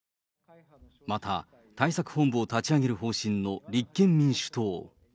また対策本部を立ち上げる方針の立憲民主党。